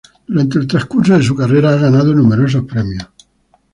Durante el transcurso de su carrera ha ganado numerosos premios.